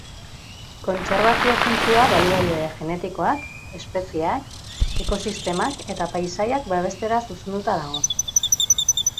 Kontserbazio funtzioa baliabide genetikoak, espezieak, ekosistemak eta paisaiak babestera zuzenduta dago.